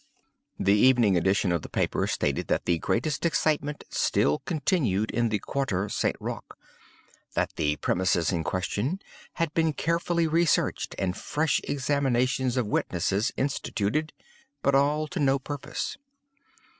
The evening edition of the paper stated that the greatest excitement still continued in the Quartier St. Roch—that the premises in question had been carefully re searched, and fresh examinations of witnesses instituted, but all to no purpose.